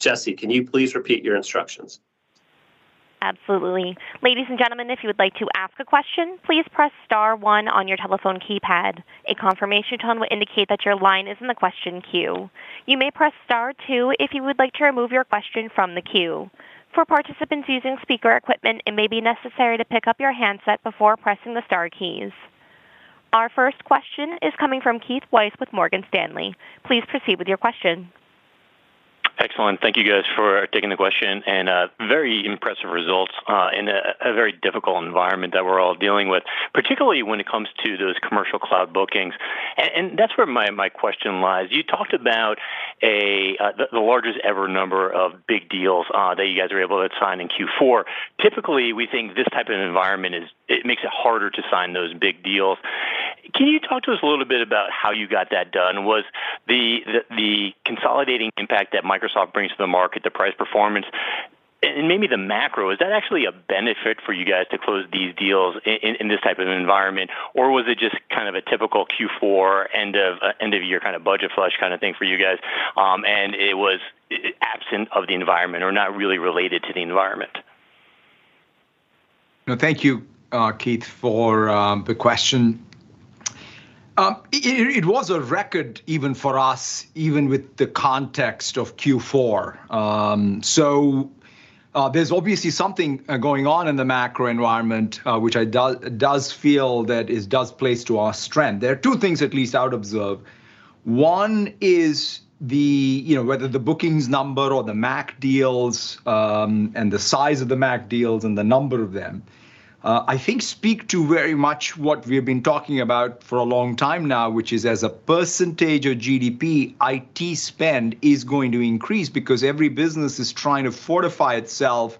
B: Jesse, can you please repeat your instructions?
A: Absolutely. Ladies and gentlemen, if you would like to ask a question, please press star one on your telephone keypad. A confirmation tone will indicate that your line is in the question queue. You may press star two if you would like to remove your question from the queue. For participants using speaker equipment, it may be necessary to pick up your handset before pressing the star keys. Our first question is coming from Keith Weiss with Morgan Stanley. Please proceed with your question.
E: Excellent. Thank you guys for taking the question, and very impressive results in a very difficult environment that we're all dealing with, particularly when it comes to those commercial cloud bookings. That's where my question lies. You talked about the largest ever number of big deals that you guys were able to sign in Q4. Typically, we think this type of environment makes it harder to sign those big deals. Can you talk to us a little bit about how you got that done? Was the consolidating impact that Microsoft brings to the market, the price performance, and maybe the macro, actually a benefit for you guys to close these deals in this type of environment? Was it just kind of a typical Q4 end-of-year kind of budget flush kind of thing for you guys, and it was absent of the environment or not really related to the environment?
C: No, thank you, Keith, for the question. It was a record even for us, even with the context of Q4. There's obviously something going on in the macro environment, which does feel that it does play to our strength. There are two things at least I would observe. One is, you know, whether the bookings number or the MACC deals, and the size of the MACC deals and the number of them, I think speak to very much what we have been talking about for a long time now, which is as a percentage of GDP, IT spend is going to increase because every business is trying to fortify itself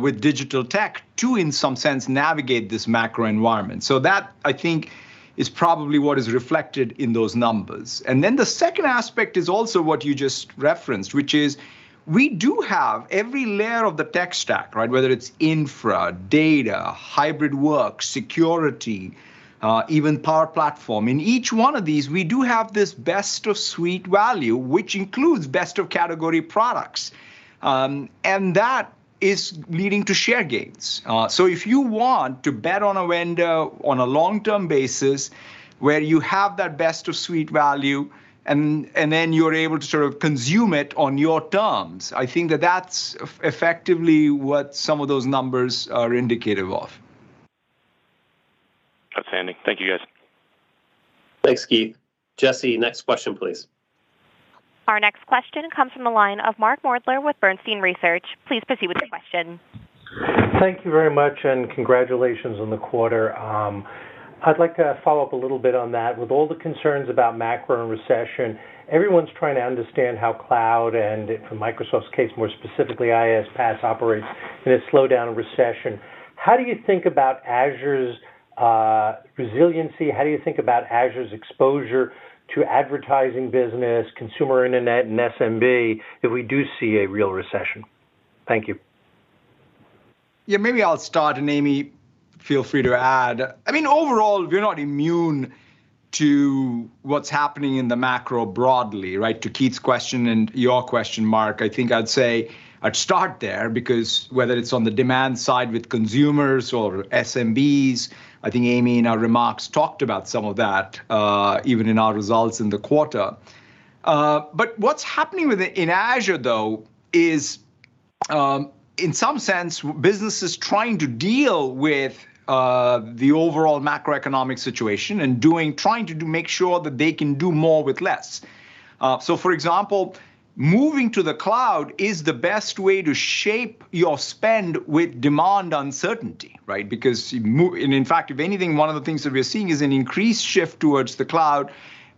C: with digital tech to, in some sense, navigate this macro environment. That, I think, is probably what is reflected in those numbers. The second aspect is also what you just referenced, which is we do have every layer of the tech stack, right? Whether it's infra, data, hybrid work, security, even power platform. In each one of these, we do have this best of suite value, which includes best of category products, and that is leading to share gains. If you want to bet on a winner on a long-term basis where you have that best-of-suite value and then you're able to sort of consume it on your terms, I think that that's effectively what some of those numbers are indicative of.
E: Outstanding. Thank you, guys.
B: Thanks, Keith. Jesse, next question, please.
A: Our next question comes from the line of Mark Moerdler with Bernstein Research. Please proceed with your question.
F: Thank you very much, and congratulations on the quarter. I'd like to follow up a little bit on that. With all the concerns about macro and recession, everyone's trying to understand how cloud from Microsoft's case, more specifically, IaaS, PaaS operates in a slowdown recession. How do you think about Azure's resiliency? How do you think about Azure's exposure to advertising business, consumer internet, and SMB if we do see a real recession? Thank you.
C: Yeah, maybe I'll start, and Amy, feel free to add. I mean, overall, we're not immune to what's happening in the macro broadly, right? To Keith's question and your question, Mark, I think I'd say I'd start there because whether it's on the demand side with consumers or SMBs, I think Amy, in her remarks, talked about some of that, even in our results in the quarter. What's happening with it in Azure, though, is, in some sense, businesses trying to deal with the overall macroeconomic situation and trying to make sure that they can do more with less. For example, moving to the cloud is the best way to shape your spend with demand uncertainty, right? In fact, if anything, one of the things that we're seeing is an increased shift towards the cloud,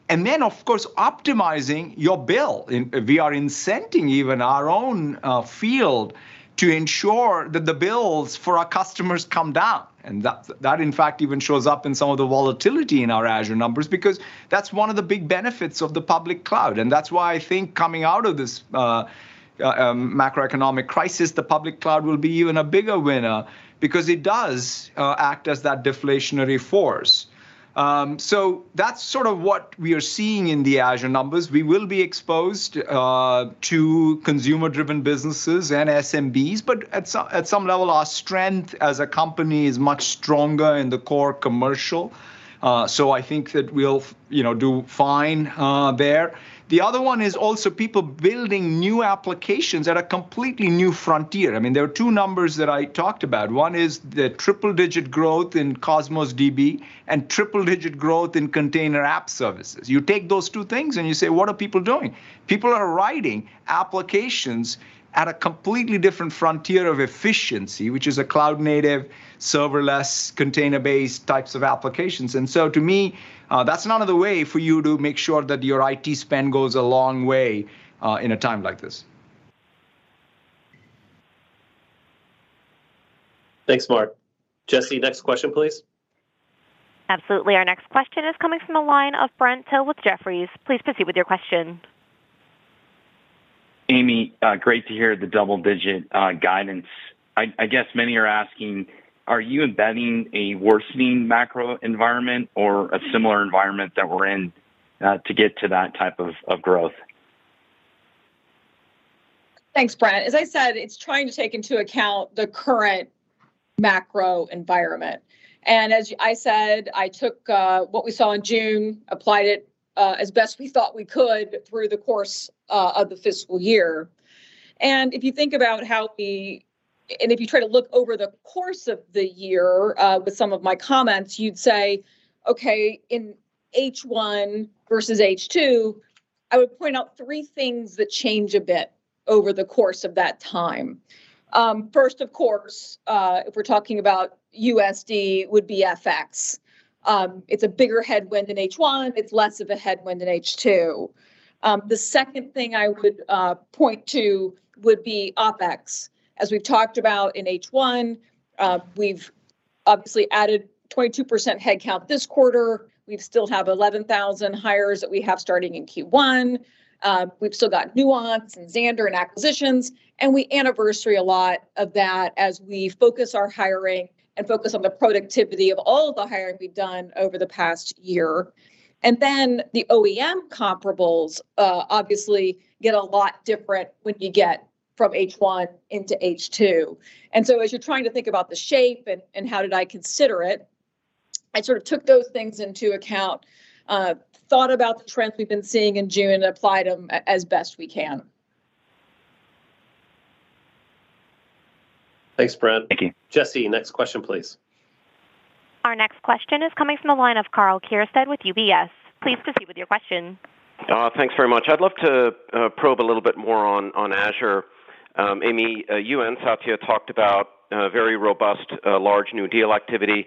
C: and then of course, optimizing your bill. We are incenting even our own field to ensure that the bills for our customers come down. That in fact even shows up in some of the volatility in our Azure numbers because that's one of the big benefits of the public cloud. That's why I think coming out of this macroeconomic crisis, the public cloud will be even a bigger winner because it does act as that deflationary force. That's sort of what we are seeing in the Azure numbers. We will be exposed to consumer-driven businesses and SMBs, but at some level, our strength as a company is much stronger in the core commercial. I think that we'll, you know, do fine, there. The other one is also people building new applications at a completely new frontier. I mean, there are two numbers that I talked about. One is the triple-digit growth in Cosmos DB and triple-digit growth in Container App Services. You take those two things, and you say, "What are people doing?" People are writing applications at a completely different frontier of efficiency, which is a cloud-native, serverless, container-based types of applications. To me, that's another way for you to make sure that your IT spend goes a long way, in a time like this.
B: Thanks, Mark. Jesse, next question, please.
A: Absolutely. Our next question is coming from the line of Brent Thill with Jefferies. Please proceed with your question.
G: Amy, great to hear the double-digit guidance. I guess many are asking, are you embedding a worsening macro environment or a similar environment that we're in to get to that type of growth?
D: Thanks, Brent. As I said, it's trying to take into account the current macro environment. As I said, I took what we saw in June, applied it as best we thought we could through the course of the fiscal year. If you try to look over the course of the year with some of my comments, you'd say, "Okay, in H1 versus H2." I would point out three things that change a bit over the course of that time. First, of course, if we're talking about USD, would be FX. It's a bigger headwind in H1. It's less of a headwind in H2. The second thing I would point to would be OpEx. As we've talked about in H1, we've obviously added 22% headcount this quarter. We still have 11,000 hires that we have starting in Q1. We've still got Nuance and Xandr and acquisitions, and we anniversary a lot of that as we focus our hiring and focus on the productivity of all of the hiring we've done over the past year. The OEM comparables obviously get a lot different when you get from H1 into H2. As you're trying to think about the shape and how I considered it, I sort of took those things into account, thought about the trends we've been seeing in June and applied them as best we can.
B: Thanks, Brent.
C: Thank you.
B: Jesse, next question, please.
A: Our next question is coming from the line of Karl Keirstead with UBS. Please proceed with your question.
H: Thanks very much. I'd love to probe a little bit more on Azure. Amy, you and Satya talked about a very robust large new deal activity.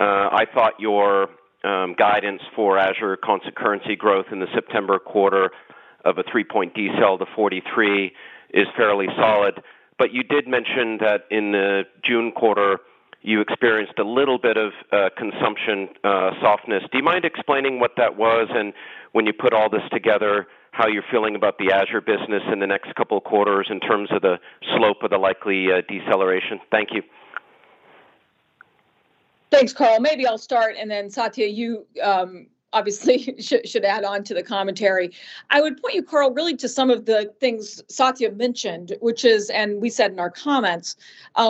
H: I thought your guidance for Azure constant currency growth in the September quarter of a 3-point decel to 43% is fairly solid. You did mention that in the June quarter, you experienced a little bit of consumption softness. Do you mind explaining what that was and when you put all this together, how you're feeling about the Azure business in the next couple of quarters in terms of the slope of the likely deceleration? Thank you.
D: Thanks, Karl. Maybe I'll start, and then Satya, you obviously should add on to the commentary. I would point you, Karl, really to some of the things Satya mentioned, which is, and we said in our comments,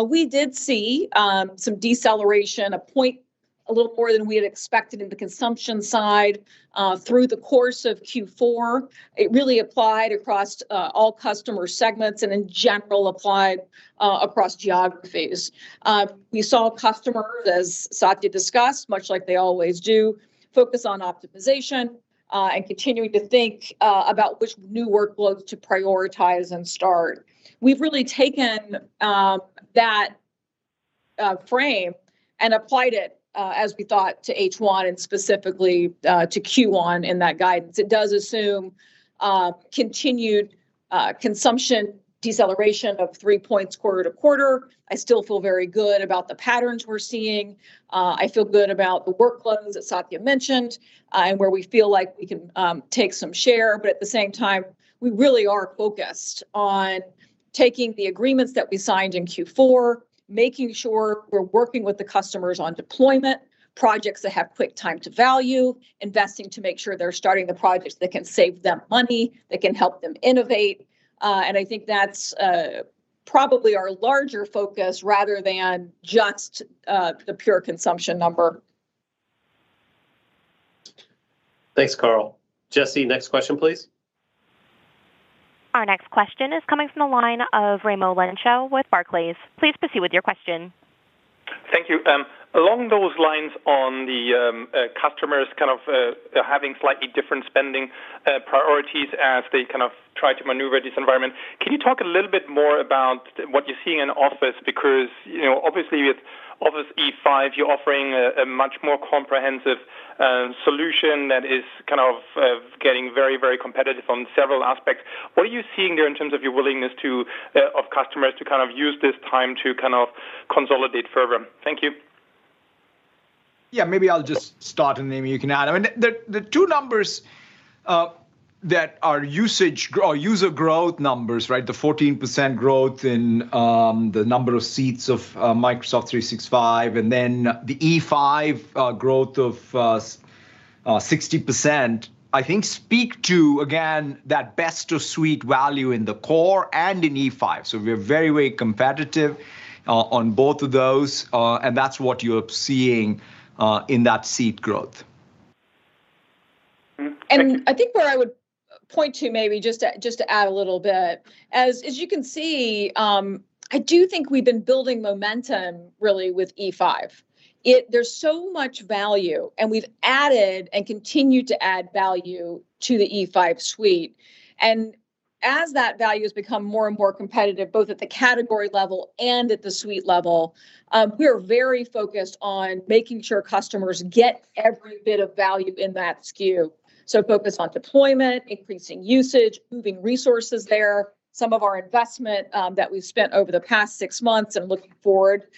D: we did see some deceleration, a point a little more than we had expected in the consumption side, through the course of Q4. It really applied across all customer segments and in general applied across geographies. We saw customers, as Satya discussed, much like they always do, focus on optimization and continuing to think about which new workloads to prioritize and start. We've really taken that frame and applied it, as we thought to H1 and specifically to Q1 in that guidance. It does assume continued consumption deceleration of 3 points quarter to quarter. I still feel very good about the patterns we're seeing. I feel good about the workloads that Satya mentioned, and where we feel like we can take some share. At the same time, we really are focused on taking the agreements that we signed in Q4, making sure we're working with the customers on deployment, projects that have quick time to value, investing to make sure they're starting the projects that can save them money, that can help them innovate. I think that's probably our larger focus rather than just the pure consumption number.
B: Thanks, Karl. Jesse, next question, please.
A: Our next question is coming from the line of Raimo Lenschow with Barclays. Please proceed with your question.
I: Thank you. Along those lines on the, customers kind of having slightly different spending priorities as they kind of try to maneuver this environment, can you talk a little bit more about what you're seeing in Office? Because, you know, obviously, with Office E5, you're offering a much more comprehensive solution that is kind of getting very, very competitive on several aspects. What are you seeing there in terms of your willingness of customers to kind of use this time to kind of consolidate further? Thank you.
C: Yeah, maybe I'll just start, and Amy, you can add. I mean, the two numbers that are user growth numbers, right? The 14% growth in the number of seats of Microsoft 365, and then the E5 growth of 60%, I think speak to, again, that best of suite value in the core and in E5. We're very, very competitive on both of those, and that's what you're seeing in that seat growth.
D: I think where I would point to maybe, just to add a little bit, as you can see, I do think we've been building momentum, really, with E5. There's so much value, and we've added and continued to add value to the E5 suite. As that value has become more and more competitive, both at the category level and at the suite level, we're very focused on making sure customers get every bit of value in that SKU. Focused on deployment, increasing usage, moving resources there. Some of our investment that we've spent over the past six months and looking forward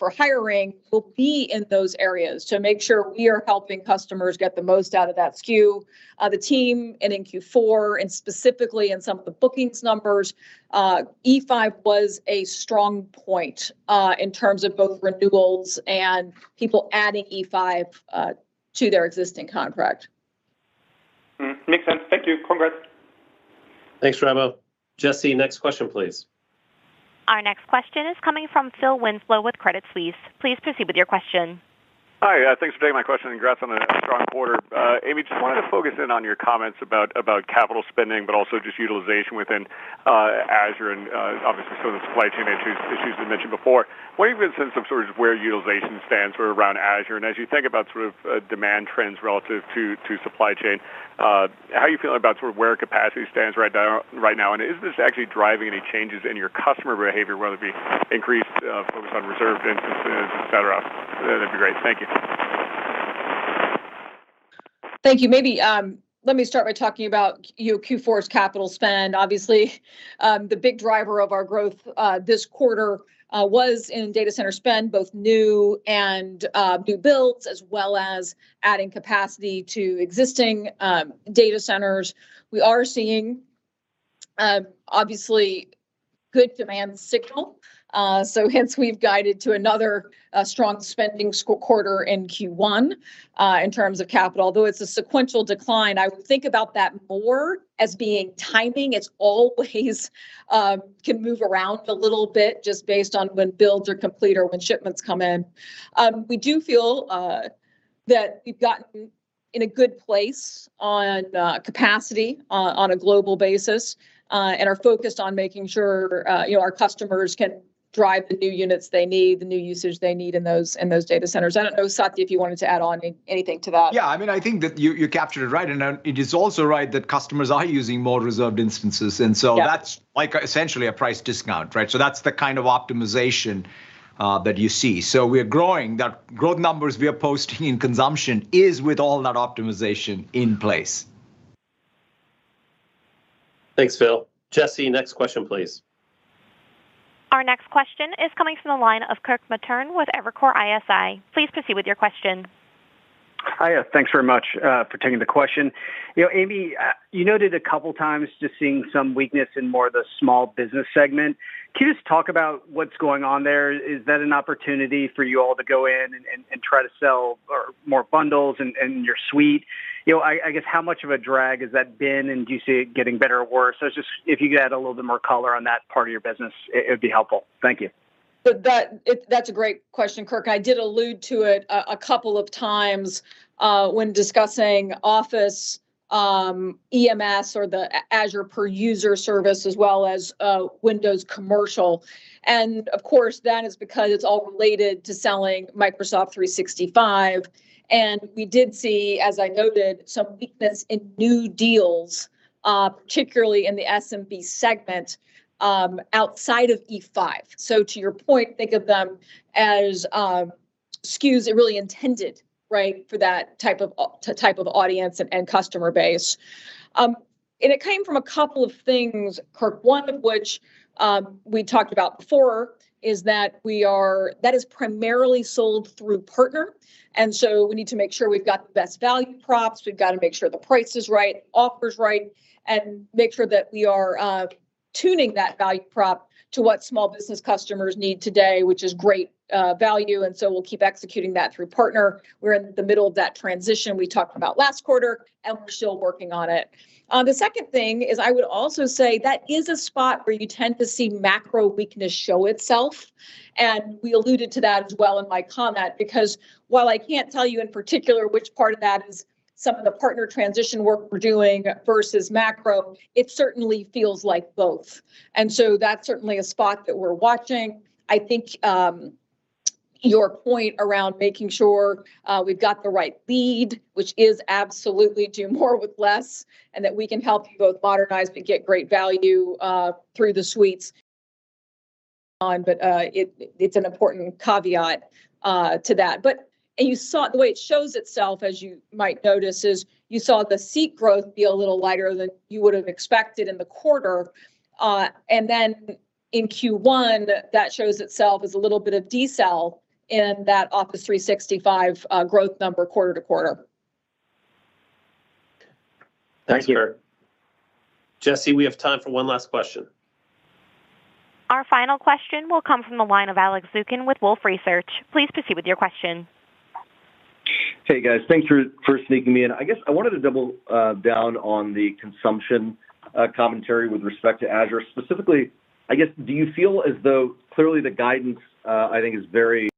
D: for hiring will be in those areas to make sure we are helping customers get the most out of that SKU. The team in Q4 and specifically in some of the bookings numbers, E5 was a strong point in terms of both renewals and people adding E5 to their existing contract.
I: Makes sense. Thank you. Congrats.
B: Thanks, Raimo. Jesse, next question, please.
A: Our next question is coming from Phil Winslow with Credit Suisse. Please proceed with your question.
J: Hi, thanks for taking my question, and congrats on a strong quarter. Amy, just wanted to focus in on your comments about capital spending, but also just utilization within Azure and obviously some of the supply chain issues you mentioned before. What have you been sensing sort of where utilization stands sort of around Azure? And as you think about sort of demand trends relative to supply chain, how are you feeling about sort of where capacity stands right now? And is this actually driving any changes in your customer behavior, whether it be increased focus on reserved instances, et cetera? That'd be great. Thank you.
D: Thank you. Maybe let me start by talking about, you know, Q4's capital spend. Obviously, the big driver of our growth this quarter was in data center spend, both new and new-builds, as well as adding capacity to existing data centers. We are seeing obviously good demand signal, so hence we've guided to another strong spending quarter in Q1 in terms of capital. Though it's a sequential decline, I would think about that more as being timing. It's always can move around a little bit just based on when builds are complete or when shipments come in. We do feel that we've gotten in a good place on capacity on a global basis, and are focused on making sure, you know, our customers can drive the new units they need, the new usage they need in those data centers. I don't know, Satya, if you wanted to add on anything to that.
C: Yeah, I mean, I think that you captured it right, and it is also right that customers are using more reserved instances, and so.
D: Yeah.
C: That's like essentially a price discount, right? That's the kind of optimization that you see. We're growing. The growth numbers we are posting in consumption is with all that optimization in place.
B: Thanks, Phil. Jesse, next question please.
A: Our next question is coming from the line of Kirk Materne with Evercore ISI. Please proceed with your question.
K: Hi, yeah, thanks very much for taking the question. You know, Amy, you noted a couple times just seeing some weakness in more of the small business segment. Can you just talk about what's going on there? Is that an opportunity for you all to go in and try to sell more bundles and your suite? You know, I guess how much of a drag has that been, and do you see it getting better or worse? Just if you could add a little bit more color on that part of your business, it'd be helpful. Thank you.
D: That's a great question, Kirk. I did allude to it a couple of times when discussing Office, EMS or the Azure per-user service as well as Windows Commercial. Of course, that is because it's all related to selling Microsoft 365. We did see, as I noted, some weakness in new deals particularly in the SMB segment outside of E5. To your point, think of them as SKUs that really intended right for that type of audience and customer base. It came from a couple of things, Kirk. One of which we talked about before is that that is primarily sold through partner, and so we need to make sure we've got the best value props. We've got to make sure the price is right, offer's right, and make sure that we are tuning that value prop to what small business customers need today, which is great value, and so we'll keep executing that through partner. We're in the middle of that transition we talked about last quarter, and we're still working on it. The second thing is I would also say that is a spot where you tend to see macro weakness show itself, and we alluded to that as well in my comment. Because while I can't tell you in particular which part of that is some of the partner transition work we're doing versus macro, it certainly feels like both. That's certainly a spot that we're watching. I think your point around making sure we've got the right lead, which is absolutely do more with less, and that we can help you both modernize but get great value through the suites on. It's an important caveat to that. You saw the way it shows itself, as you might notice, is you saw the seat growth be a little lighter than you would've expected in the quarter. Then in Q1, that shows itself as a little bit of decel in that Office 365 growth number quarter to quarter.
B: Thanks, Kirk. Jesse, we have time for one last question.
A: Our final question will come from the line of Alex Zukin with Wolfe Research. Please proceed with your question.
L: Hey guys, thanks for sneaking me in. I guess I wanted to double down on the consumption commentary with respect to Azure. Specifically, I guess, do you feel as though clearly the guidance I think has a very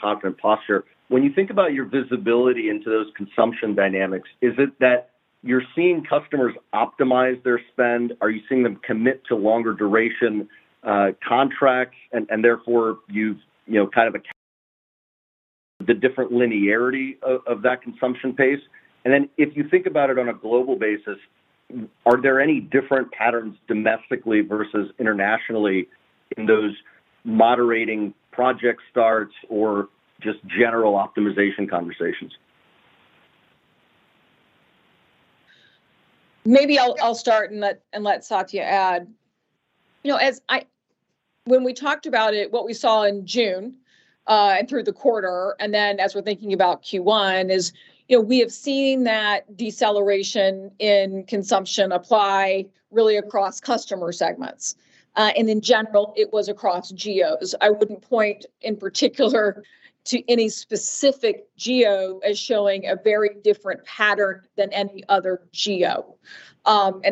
L: confident posture. When you think about your visibility into those consumption dynamics, is it that you're seeing customers optimize their spend? Are you seeing them commit to longer duration contracts and therefore you've you know kind of the different linearity of that consumption pace? Then if you think about it on a global basis, are there any different patterns domestically versus internationally in those moderating project starts or just general optimization conversations? Maybe I'll start and let Satya add.
D: You know, when we talked about it, what we saw in June and through the quarter, and then as we're thinking about Q1, is, you know, we have seen that deceleration in consumption apply really across customer segments. In general, it was across geos. I wouldn't point in particular to any specific geo as showing a very different pattern than any other geo.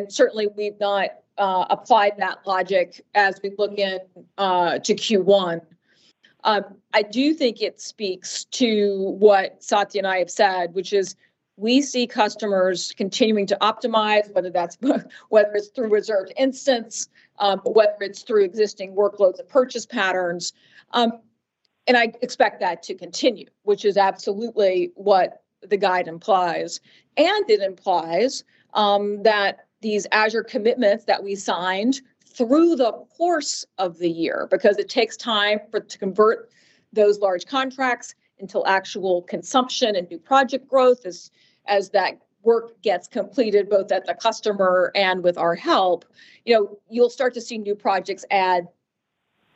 D: Certainly we've not applied that logic as we look in to Q1. I do think it speaks to what Satya and I have said, which is we see customers continuing to optimize, whether it's through reserved instance, whether it's through existing workloads or purchase patterns. I expect that to continue, which is absolutely what the guide implies. It implies that these Azure commitments that we signed through the course of the year, because it takes time to convert those large contracts into actual consumption and new project growth as that work gets completed, both at the customer and with our help. You know, you'll start to see new projects add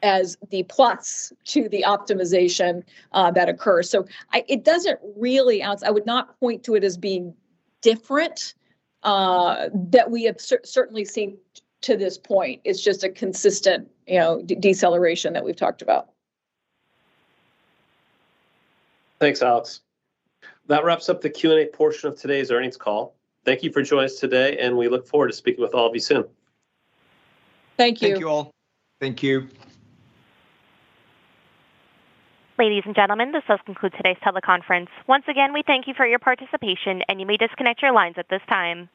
D: as the plus to the optimization that occurs. It doesn't really announce. I would not point to it as being different that we have certainly seen to this point. It's just a consistent, you know, deceleration that we've talked about.
B: Thanks, Alex. That wraps up the Q&A portion of today's earnings call. Thank you for joining us today, and we look forward to speaking with all of you soon.
D: Thank you.
C: Thank you all. Thank you.
A: Ladies and gentlemen, this does conclude today's teleconference. Once again, we thank you for your participation and you may disconnect your lines at this time.